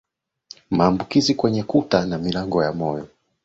Maambukizi kwenye kuta na milango ya moyo